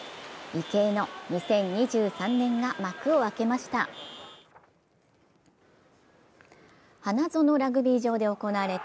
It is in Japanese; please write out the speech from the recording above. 池江の２０２３年が幕を開けました。